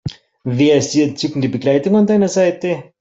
Wer ist die entzückende Begleitung an deiner Seite?